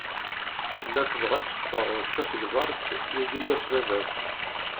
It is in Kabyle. Tella tebɣa ad d-teffeɣ d tasegbart, yugi-yas baba-s.